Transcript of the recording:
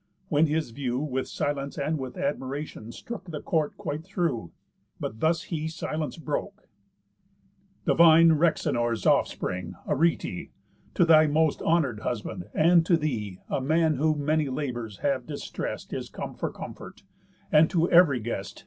When his view With silence and with admiration strook The court quite through; but thus he silence broke: "Divine Rhexenor's offspring, Arete, To thy most honour'd husband, and to thee, A man whom many labours have distrest Is come for comfort, and to ev'ry guest.